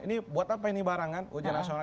ini buat apa ini barang kan ujian nasional